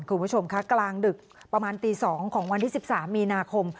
คุณผู้ชมคะกลางดึกประมาณตี๒ของวันที่๑๓มีนาคม